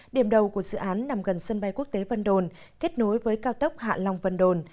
điểm đầu của dự án nằm gần sân bay quốc tế vân đồn kết nối với cao tốc hạ long vân đồn